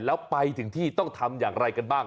แล้วไปถึงที่ต้องทำอย่างไรกันบ้าง